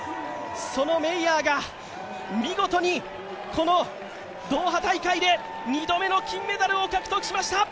そのメイヤーが、見事にこのドーハ大会で２度目の金メダルを獲得しました。